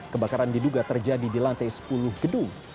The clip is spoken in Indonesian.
kebakaran diduga terjadi di lantai sepuluh gedung